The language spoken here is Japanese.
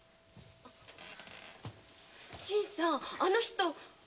あの人は？